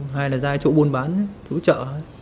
hai là ra chỗ buôn bán chỗ chợ